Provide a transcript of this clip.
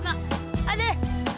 tidak tidak tidak